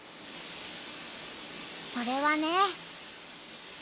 それはね。